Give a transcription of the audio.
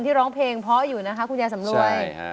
หลองเพลงพออยู่นะคะคุณพุทธยาสำรวย